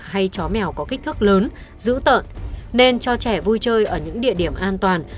hay chó mèo có kích thước lớn giữ tợn nên cho trẻ vui chơi ở những địa điểm an toàn